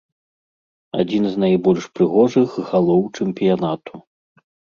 Адзін з найбольш прыгожых галоў чэмпіянату.